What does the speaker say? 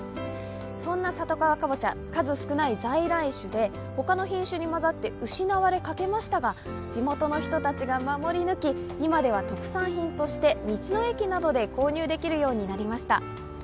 そんな里川かぼちゃ、数少ない在来種で他の品種に交ざって失われかけましたが地元の人たちが守り抜き、今では特産品として道の駅などで購入できるようになりました。